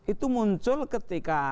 itu muncul ketika